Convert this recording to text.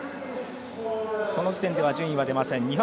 この時点では順位は出ません。